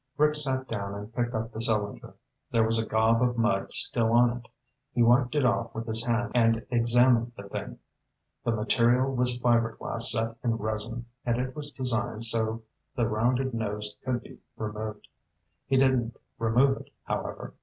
Rick sat down and picked up the cylinder. There was a gob of mud still on it. He wiped it off with his hand and examined the thing. The material was fiber glass set in resin, and it was designed so the rounded nose could be removed. He didn't remove it, however.